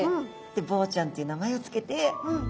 ボウちゃんという名前を付けて。